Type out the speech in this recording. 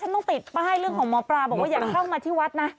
ต้องติดป้ายเรื่องของหมอปลาบอกว่าอย่าเข้ามาที่วัดนะ